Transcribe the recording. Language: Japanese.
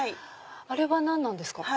あれは何なんですか？